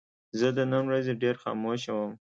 زه نن د ورځې ډېر خاموشه وم.